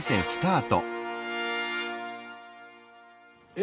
え